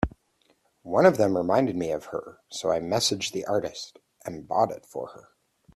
One of them reminded me of her, so I messaged the artist and bought it for her.